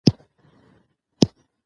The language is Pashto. د نجونو تعلیم د پوهې لیږد اسانه کوي.